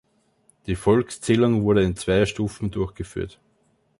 Die Volkszählung wurde in zwei Stufen durchgeführt.